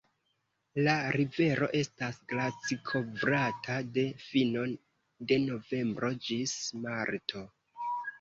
La rivero estas glacikovrata de fino de novembro ĝis marto.